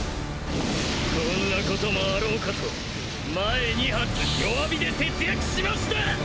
こんなこともあろうかと前２発弱火で節約しました。